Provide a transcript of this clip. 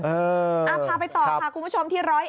พาไปต่อค่ะคุณผู้ชมที่๑๐๑